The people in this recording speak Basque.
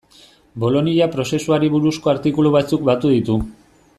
Bolonia prozesuari buruzko artikulu batzuk batu ditu.